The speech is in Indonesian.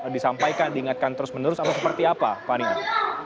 disampaikan diingatkan terus menerus atau seperti apa pak niko